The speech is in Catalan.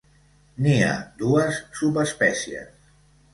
N'hi ha dues subespècies.